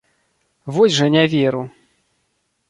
Вось жа не веру.